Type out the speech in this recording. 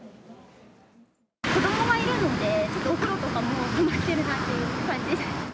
子どもがいるので、ちょっとお風呂とかも困ってるなっていう感じです。